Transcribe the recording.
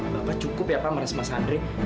bapak cukup ya pak meres mas andre